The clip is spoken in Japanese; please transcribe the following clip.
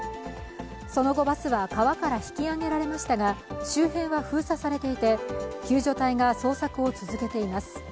その後、バスは川から引き揚げられましたが、周辺は封鎖されていて救助隊が捜索を続けています。